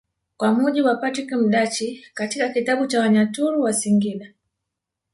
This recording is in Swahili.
Kwa mujibu wa Patrick Mdachi katika kitabu cha Wanyaturu wa Singida